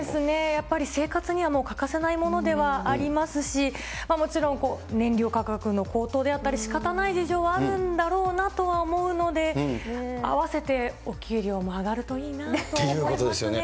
やっぱり生活にはもう欠かせないものではありますし、もちろん燃料価格の高騰であったり、しかたない事情はあるんだろうなと思うので、併せてお給料も上がるといいなと思いますね。